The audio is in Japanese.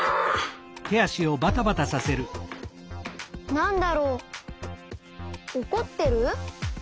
なんだろうおこってる？